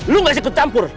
lu gak sikut campur